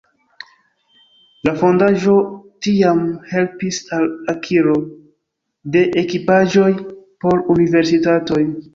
La fondaĵo tiam helpis al akiro de ekipaĵoj por universitatoj.